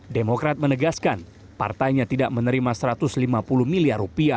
demokrat menegaskan partainya tidak menerima rp satu ratus lima puluh miliar